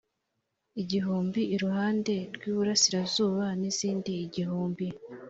igihumbi iruhande rw iburasirazuba n izindi igihumbi